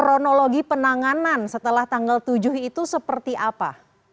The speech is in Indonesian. kronologi penanganan setelah tanggal tujuh itu seperti apa